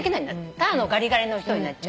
ただのガリガリの人になっちゃうでしょ。